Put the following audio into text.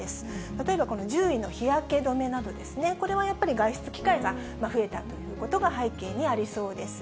例えばこの１０位の日焼け止めなどですね、これはやっぱり、外出機会が増えたということが背景にありそうです。